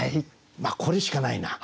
これしかないな。